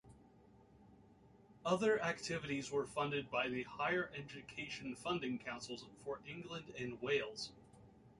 Other activities were funded by the Higher Education Funding Councils for England and Wales.